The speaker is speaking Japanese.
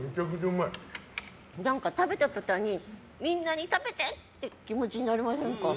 食べた途端にみんなに食べて！っていう気持ちになりませんか？